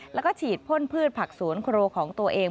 แล้วก็ฉีดพ่นพืชผักสวนครัวของตัวเอง